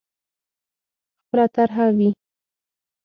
خپله طرح وي.